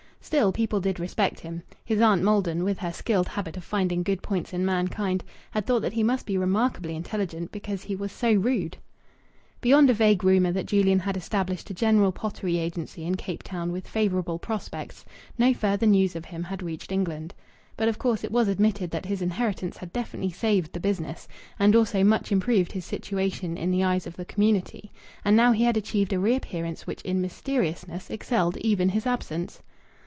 Still, people did respect him. His aunt Maldon, with her skilled habit of finding good points in mankind, had thought that he must be remarkably intelligent because he was so rude. Beyond a vague rumour that Julian had established a general pottery agency in Cape Town with favourable prospects, no further news of him had reached England. But of course it was admitted that his inheritance had definitely saved the business, and also much improved his situation in the eyes of the community ... And now he had achieved a reappearance which in mysteriousness excelled even his absence.